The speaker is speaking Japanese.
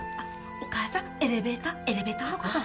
お母さんエレベーターエレベーターのことあ